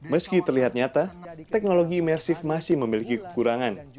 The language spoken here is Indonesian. meski terlihat nyata teknologi imersif masih memiliki kekurangan